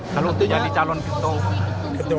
kalau jadi calon ketua bumu